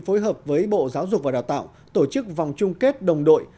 phối hợp với bộ giáo dục và đào tạo tổ chức vòng chung kết đồng đội